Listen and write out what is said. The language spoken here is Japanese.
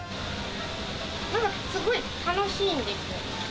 すごい楽しいんですよ。